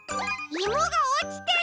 イモがおちてる！